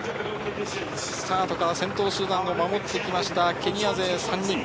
スタートから先頭集団を守ってきましたケニア勢３人。